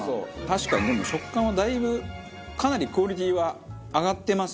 確かにでも食感はだいぶかなりクオリティーは上がってますよね。